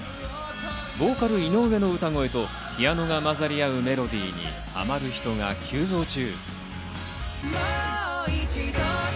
ボーカル・井上の歌声とピアノが混ざり合うメロディーにハマる人が急増中。